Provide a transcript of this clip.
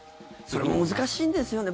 それも難しいんですよね。